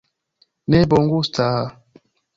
Ne bongusta...